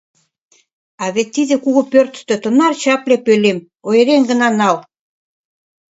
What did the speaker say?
А вет тиде кугу пӧртыштӧ тынар чапле пӧлем — ойырен гына нал!